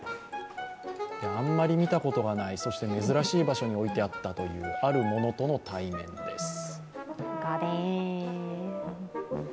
あんまり見たことがないそして珍しい場所に置いてあったというあるものとの対面です。